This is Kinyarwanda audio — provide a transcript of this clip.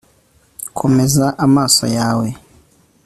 komeza amaso yawe